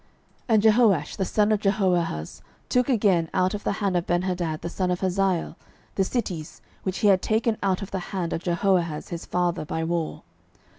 12:013:025 And Jehoash the son of Jehoahaz took again out of the hand of Benhadad the son of Hazael the cities, which he had taken out of the hand of Jehoahaz his father by war.